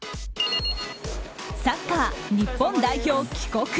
サッカー日本代表帰国。